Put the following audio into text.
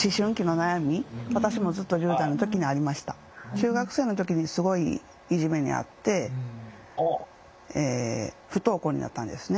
中学生の時にすごいいじめにあって不登校になったんですね。